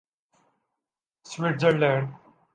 Switzer land